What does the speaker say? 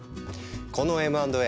このＭ＆Ａ